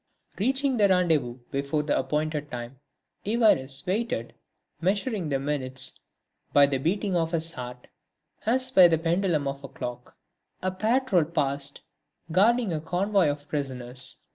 Reaching the rendezvous before the appointed time, Évariste waited, measuring the minutes by the beating of his heart as by the pendulum of a clock. A patrol passed, guarding a convoy of prisoners.